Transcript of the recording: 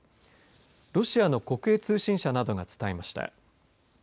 ロシアの国営通信社などが伝えました。